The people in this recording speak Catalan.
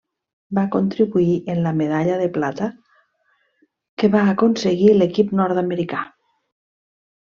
Va contribuir en la medalla de plata que va aconseguir l'equip nord-americà.